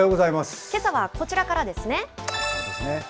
けさはこちらからですね。